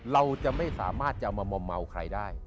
เราจะไม่สามารถจะมามอมเมาใครได้